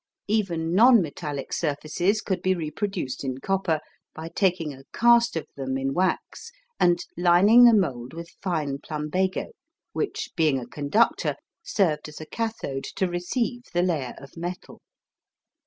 Even non metallic surfaces could be reproduced in copper by taking a cast of them in wax and lining the mould with fine plumbago, which, being a conductor, served as a cathode to receive the layer of metal.